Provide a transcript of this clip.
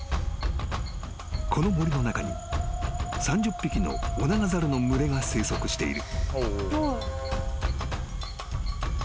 ［この森の中に３０匹のオナガザルの群れが生息している］